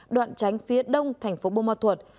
đoạn tránh phía đông thành phố bô ma thuật